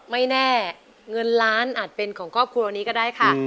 ไม่แน่เงินล้านอาจเป็นของครอบครัวนี้ก็ได้ค่ะ